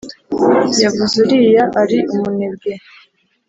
yavuze uriya ari umunebwe